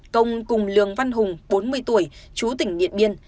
công cùng lường văn hùng bốn mươi tuổi chú tỉnh điện biên